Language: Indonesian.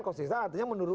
konsisten artinya menurun